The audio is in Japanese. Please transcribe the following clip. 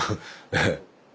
ええ。